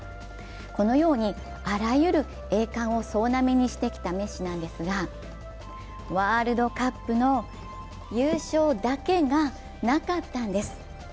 このように、あらゆる栄冠を総なめにしてきたメッシなんですが、ワールドカップの優勝だけがなかったんです。